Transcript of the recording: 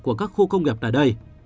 của các khu công nghiệp tại đây